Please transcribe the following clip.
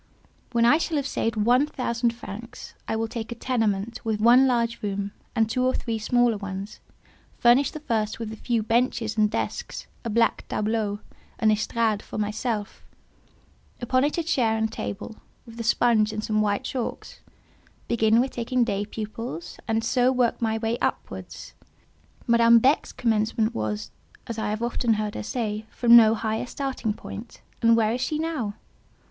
When I shall have saved one thousand francs, I will take a tenement with one large room, and two or three smaller ones, furnish the first with a few benches and desks, a black tableau, an estrade for myself; upon it a chair and table, with a sponge and some white chalks; begin with taking day pupils, and so work my way upwards. Madame Beck's commencement was—as I have often heard her say—from no higher starting point, and where is she now?